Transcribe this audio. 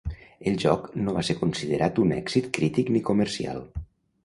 El joc no va ser considerat un èxit crític ni comercial.